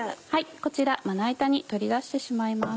こちらまな板に取り出してしまいます。